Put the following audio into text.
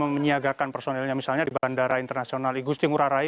menyiagakan personilnya misalnya di bandara internasional igusti ngurah rai